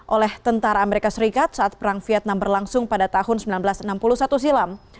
oleh tentara amerika serikat saat perang vietnam berlangsung pada tahun seribu sembilan ratus enam puluh satu silam